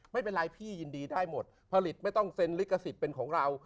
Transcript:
ไม่เป็นไรพี่ยินดีได้หมดผลิตไม่ต้องเซ็นลิขสิทธิ์เป็นของเรา